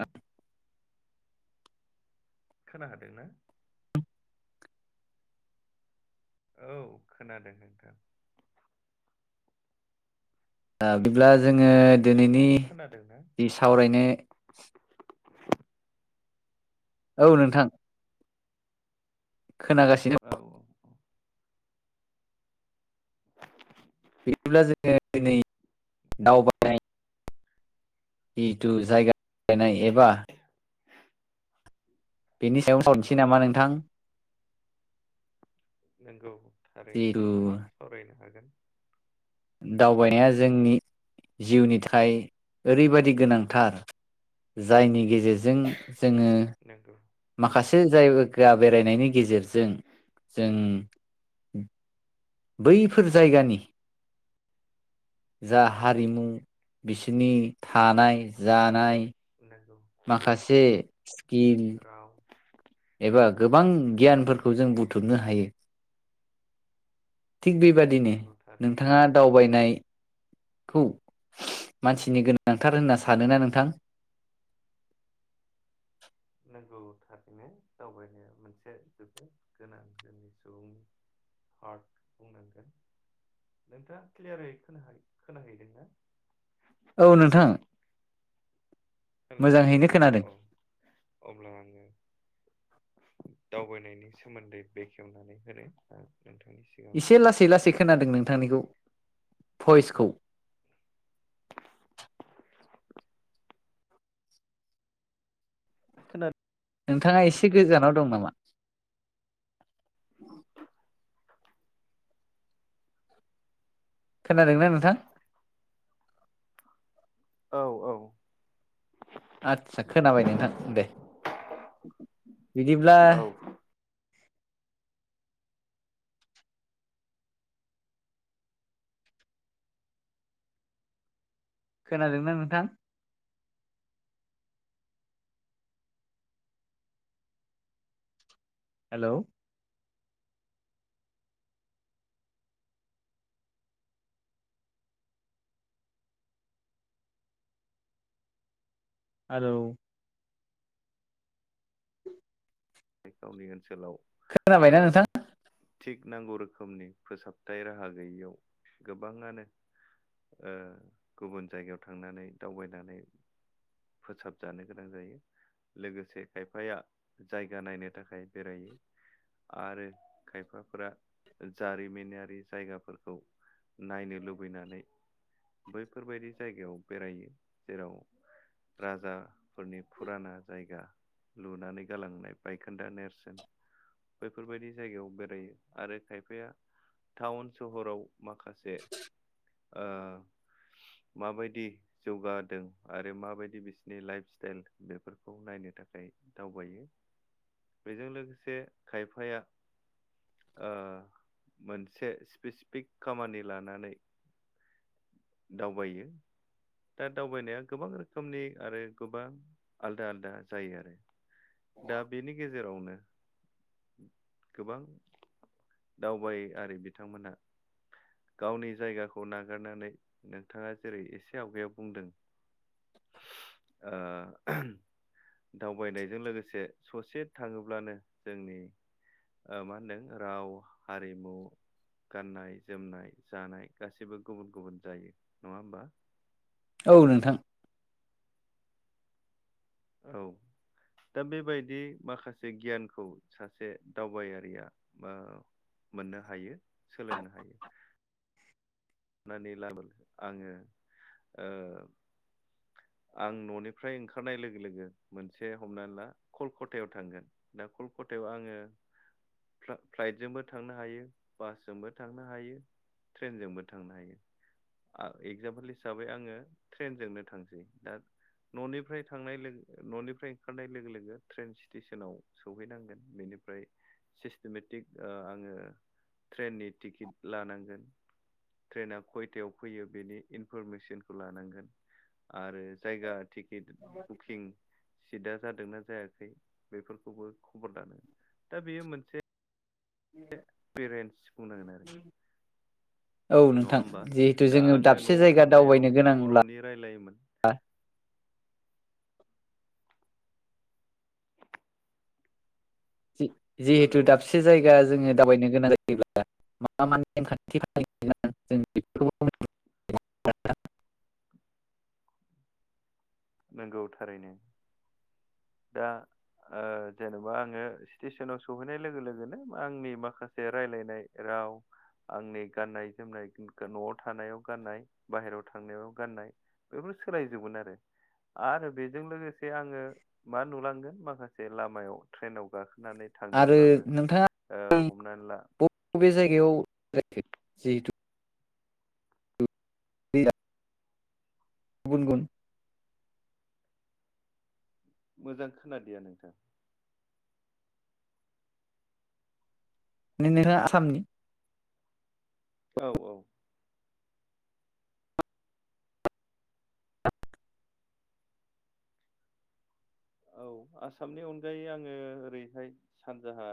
ओ खोना हादोंना? औ खोनादों नोंथां। ओ बिदिब्ला जोङो दिनैनि नोंथाङाबो खोनादोंना जि सावरायनो औ नोंथां खोनागासिनो औ औ बिदिब्ला जोङो दिनै दावबायनाय जिहुथु जायगा नायनाय एबा बेनि सायाव औ सावरायनोसै नामा नोंथां? नोंगौ थारैनो जिहेथु नोंथां सावरायनो हागोन। दावबायनाया जोंनि जिउनि थाखाय ओरैबायादि गोनांथार जायनि गेजेरजों जोङो नंगौ माखासे जायगा बेरायनायनि गेजेरजों जों बैफोर जायगानि जा हारिमु बिसोरनि थानाय जानाय नंगौ माखासे स्किल राव एबा गोबां गियानफोरखौ जों बुथुमनो हायो। थिग बेबादिनो नंगौ थारैनो नोंथाङा दावबायनाय खौ मानसिनि गोनांथार होनना सानोना नोंथां। [inaudible] नोंगौ थारैनो दावबायनाया मोनसे जोबोद गोनां जोंनि सुबुंनि हद बुंनाम जायो। नोंथाङा क्लियारै खोना खोनाहैदोंना? औ नोंथां मोजाङैनो औ खोनादों औ अब्ला आङो दावबायनायनि सोमोन्दै बेखेवनानै होनो नोंथांनि सिगाङाव इसे लासै लासै खोनादों नोंथांनिखौ भइसखौ। खोना नोंथाङा एसे गोजानाव दं नामा। खोनादोंना नोंथां? औ औ। आदसा खोनाबाय नोंथां दे बिदिब्ला औ खोनादोंना नोंथां हेल' हेलौ गावनि ओनसोलाव ओ खोनाबायना नोंथां थिग नांगौ रोखोमनि फोसाबथाय राहा गैयियाव गोबाङानो ओ गुबुन जायगायाव थांनानै दावबायनानै फोसाबजानो गोनां जायो लोगोसे खायफाया जायगा नायनो नि थाखाय बेरायो आरो खायफाफोरा जारिमिनारि जायगाफोरखौ नायनो लुबैनानै बैफोरबायदि जायगायाव बेरायो जेराव राजाफोरनि फुराना जायगा लुनानै गालांनाय बाइक खोन्दा नेरसोन बैफोरबायदि जायगायाव बेरायो आरो खायफाया टाउन सहराव माखासे ओ माबायदि जौगादों आरो माबायदि बिसिनि लाइफ स्टाइल बेफोरखौ नायनो थाखाय दावबायो बेजों लोगोसे खायफाया ओ मोनसे स्पेसिफिक खामानि लानानै दावबायो। दा दावबायनाया गोबां रोखोमनि आरो गोबां आलदा आलदा जायो आरो दा बेनि गेजेरावनो गोबां दावबायारि बिथांमोनहा गावनि जायगाखौ नागारनानै नोंथाङा जेरै एसे एसे आवगायाव बुंदों ओ दावबायनायजों लोगोसे ससे थाङोब्लानो जोंनि ओ मा होनदों राव हारिमु गाननाय जोमनाय जानाय गासिबो गुबुन गुबुन जायो नङा होमबा। औ नोंथां। औ। दा बेबायदि माखासे गियानखौ सासे दावबायारिया मोननो हायो सोलोंनो हायो। [inaudible] अनानै लाबोनो आङो ओ [inaudible] आं न'निफ्राय ओंखारनाय लोगो लोगो मोनसे हमना ला कलकातायाव थांगोन दा कलक थायाव आङो फ्ला-फ्लाइटजोंबो थांनो हायो बासजोंबो थांनो हायो ट्रेनजोंबो थांनो हायो एजामपोल हिसाबै आङो ट्रेनजोंनो थांनोसै दा न'निफ्राय थांनाय लोगो न'निफ्राय ओंखारनाय लोगो लोगो ट्रेन स्टेसनाव सौहैनांगोन बेनि निफ्राय सिस्टेमेटिक आङो ट्रेननि टिकेट लानांगोन ट्रेना खयथायाव फैयो बेनि इनफरमेसनखौ लानांगोन आरो जायगा टिकेट बुकिं सिटा जादोंना जायाखै बेफोरखौबो खबर लानो दा बेयो मोनसे पेरेन्टस बुंनांगोन आरो औ नङा नोंथां होमबा जिहेथु दा जोङो आङो दाबसे न'आव जायगा थानायाव दावबायनो गोनांब्ला बर'नि रायलायोमोन हेलौ जिहेतु दाबसे जायगा जोङो दावबायनो गोनां जायोब्ला मा मा नेमखान्थि खालाम जों बे [unintelligible] नंगौ थारैनो दा ओ जेनेबा आङो स्टेसनाव सहैनाय लोगो लोगोनो आंनि माखासे रायलायनाय आव आंनि गाननाय जोमनाय न'आव थानायाव गाननाय बाहेरायाव थांनायाव गाननाय बेफोर सोलायजोबगोन आरो आरो बेजों लोगोसे आङो मा नुलांगोन माखासे लामायाव ट्रेनाव गा नानै आरो थांदोंब्लाबो नोंथाङा ओ हमनानै ला बबे जायगायाव जिहेथु बैया गुबुन गुबुन मोजां खोनादिया नोंथां माने नोङो आसामनि औ औ औ आसामनि अनगायै आङो ओरैहाय सानजाहा